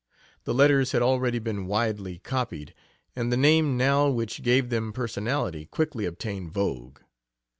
The letters had already been widely copied, and the name now which gave them personality quickly obtained vogue.